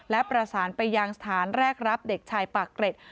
และประสานไปยังสถานแรกรับเด็กชายปากเกร็ด